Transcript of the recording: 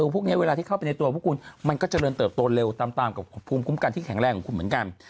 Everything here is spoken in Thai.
พวกนี้เวลาที่เข้าไปในตัวพวกคุณมันก็เจริญเติบโตเร็วตามกับภูมิคุ้มกันที่แข็งแรงของคุณเหมือนกัน